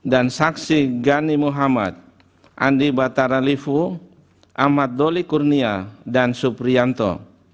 dan saksi ghani muhammad andi batara lifu ahmad doli kurnia dan suprianto